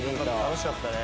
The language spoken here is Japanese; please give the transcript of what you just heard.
「楽しかったね」